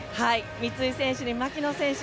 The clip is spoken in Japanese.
三井選手に牧野選手